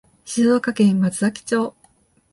静岡県松崎町